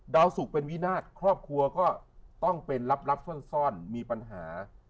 สุขเป็นวินาศครอบครัวก็ต้องเป็นลับซ่อนมีปัญหา